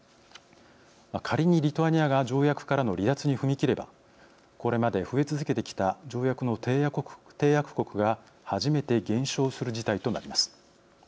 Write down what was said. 仮にリトアニアが条約からの離脱に踏み切ればこれまで増え続けてきた条約の締約国が初めて減少する事態となります。